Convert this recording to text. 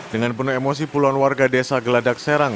dengan penuh emosi puluhan warga desa geladak serang